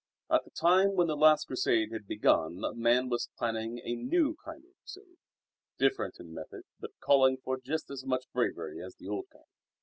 At the time when the last Crusade had begun a man was planning a new kind of Crusade, different in method but calling for just as much bravery as the old kind.